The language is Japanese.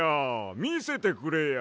みせてくれや。